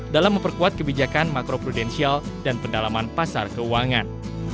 dalam memperkuat kebijakan makro prudensial dan pendalaman pasar keuangan